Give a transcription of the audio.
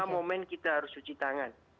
lima momen kita harus cuci tangan